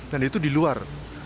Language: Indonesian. dan itu di luar